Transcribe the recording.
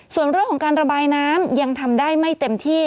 ส่วนเรื่องของการระบายน้ำยังทำได้ไม่เต็มที่